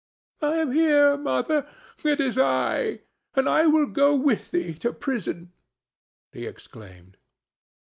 "I am here, mother; it is I, and I will go with thee to prison," he exclaimed.